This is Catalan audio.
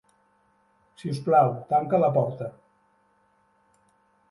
Si us plau, tanca la porta.